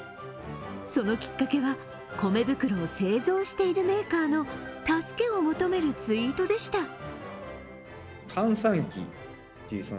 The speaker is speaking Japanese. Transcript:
そのきっかけは、米袋を製造しているメーカーの助けを求めるツイートでした。